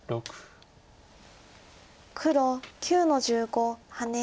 黒９の十五ハネ。